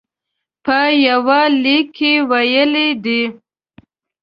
په یوه لیک کې ویلي دي.